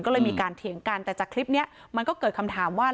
ก็เลยมีการเถียงกันแต่จากคลิปนี้มันก็เกิดคำถามว่า